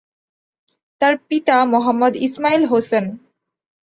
তার পিতা মোহাম্মদ ইসমাইল হোসেন।